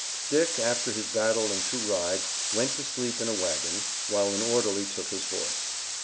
Dick, after his battle and two rides, went to sleep in a wagon, while an orderly took his horse.